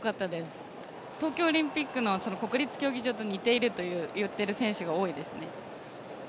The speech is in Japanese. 東京オリンピックの国立競技場と似ていると言ってる選手が多いですね。